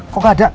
kok gak ada